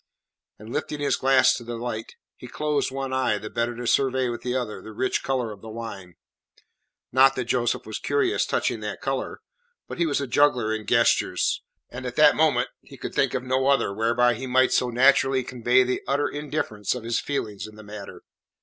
And, lifting his glass to the light, he closed one eye, the better to survey with the other the rich colour of the wine. Not that Joseph was curious touching that colour, but he was a juggler in gestures, and at that moment he could think of no other whereby he might so naturally convey the utter indifference of his feelings in the matter.